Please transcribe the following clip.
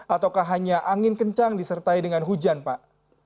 ataukah hanya angin kencang disertai dengan hujan pak